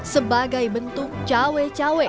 sebagai bentuk cawe cawe